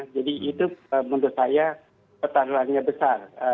jadi itu menurut saya petaruhannya besar